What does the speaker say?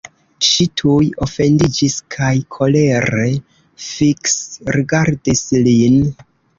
Ŝi tuj ofendiĝis kaj kolere fiksrigardis lin.